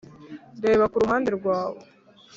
reba kuruhande rwawe